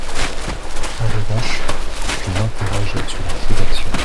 En revanche, je m’interroge sur la rédaction.